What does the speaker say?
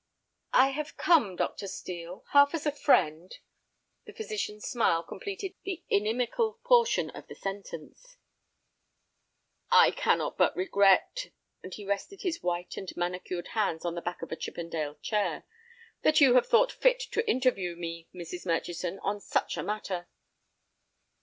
"I have come, Dr. Steel, half as a friend—" The physician's smile completed the inimical portion of the sentence. "I cannot but regret," and he rested his white and manicured hands on the back of a Chippendale chair, "that you have thought fit to interview me, Mrs. Murchison, on such a matter."